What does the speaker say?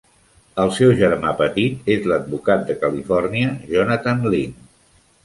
El seu germà petit és l'advocat de Califòrnia Jonathan Lynn.